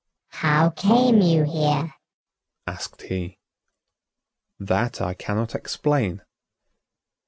"How came you here?" asked he. "That I cannot explain."